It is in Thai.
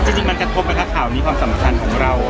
จริงมันกระทบนะคะข่าวนี้ความสำคัญของเรา